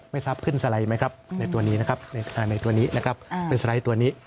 ไม่ครับขึ้นสไลด์ไหมครับในตัวนี้นะครับเป็นสไลด์ตัวนี้